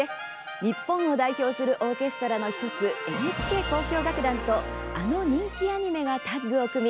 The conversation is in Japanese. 日本を代表するオーケストラの１つＮＨＫ交響楽団とあの人気アニメがタッグを組み